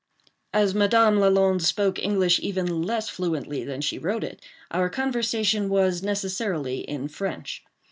As Madame Lalande spoke English even less fluently than she wrote it, our conversation was necessarily in French.